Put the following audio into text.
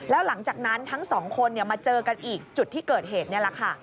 แล้วหลังจากนั้นทั้งสองคนมาเจอกันอีกจุดที่เกิดเหตุนี่แหละค่ะ